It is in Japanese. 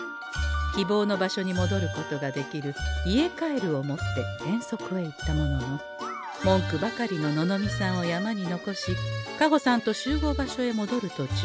希望の場所にもどることができる「家カエル」を持って遠足へ行ったものの文句ばかりのののみさんを山に残し香穂さんと集合場所へもどるとちゅう